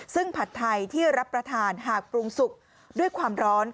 ซึ่งผัดไทยที่รับประทานหากปรุงสุกด้วยความร้อน